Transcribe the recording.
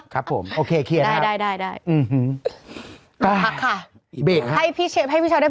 ครับผมโอเคเคลียร์นะครับอือฮืมได้